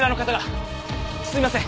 すいません。